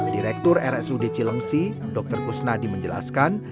direktur rsud cilengsi dr kusnadi menjelaskan